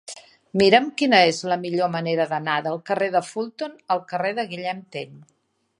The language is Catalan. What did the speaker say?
Mira'm quina és la millor manera d'anar del carrer de Fulton al carrer de Guillem Tell.